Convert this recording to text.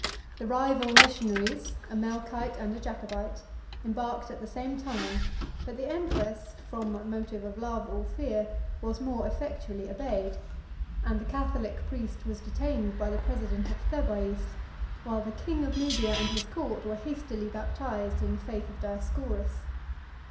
The rival missionaries, a Melchite and a Jacobite, embarked at the same time; but the empress, from a motive of love or fear, was more effectually obeyed; and the Catholic priest was detained by the president of Thebais, while the king of Nubia and his court were hastily baptized in the faith of Dioscorus.